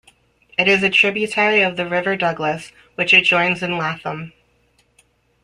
It is a tributary of the River Douglas which it joins in Lathom.